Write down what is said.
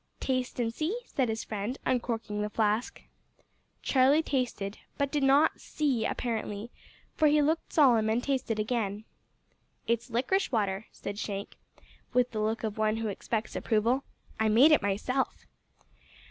"Taste and see," said his friend, uncorking the flask. Charlie tasted, but did not "see," apparently, for he looked solemn, and tasted again. "It's liquorice water," said Shank, with the look of one who expects approval. "I made it myself!"